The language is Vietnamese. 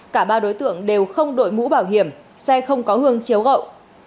cả ba đối tượng đều không đội mũ bảo hiểm xe không có hương chiếu gậu